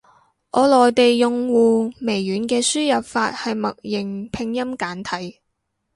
我內地用戶，微軟嘅輸入法係默認拼音簡體。